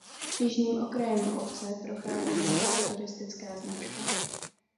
Jižním okrajem obce prochází žlutá turistická značka.